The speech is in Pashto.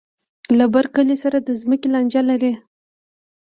له بر کلي سره د ځمکې لانجه لري.